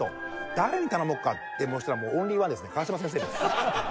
誰に頼もうかそしたらもうオンリーワンですね川島先生です。